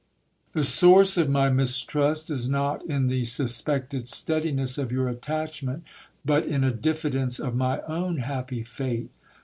The source of my mistrust is not in the suspected steadiness of your attachment, but in a diffidence of my own happy fate.